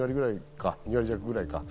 ２割弱ぐらいか。